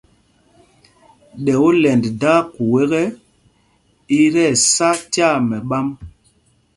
Ɗɛ olɛnd daa kuu ekɛ́, i tí ɛsá tyaa mɛɓám.